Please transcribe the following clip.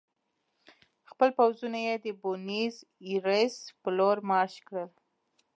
خپل پوځونه یې د بونیس ایرس په لور مارش کړل.